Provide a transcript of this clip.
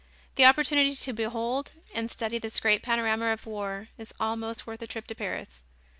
The opportunity to behold and study this great panorama of the war is almost worth a trip to Paris.